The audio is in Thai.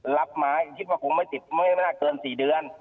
รับไม้คิดว่าคงไม่ติดไม่น่าเกิน๔เดือน